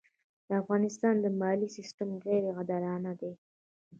د افغانستان د مالیې سېستم غیرې عادلانه دی.